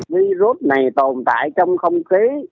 virus này tồn tại trong không khí